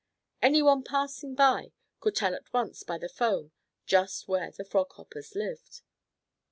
Any one passing by could tell at once by the foam just where the Frog Hoppers lived.